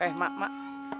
eh mak mak